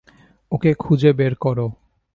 ওকে খুঁজে বের করো।